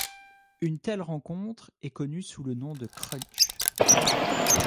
Une telle rencontre est connue sous le nom de Crunch.